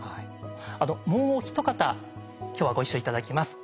あともう一方今日はご一緒頂きます。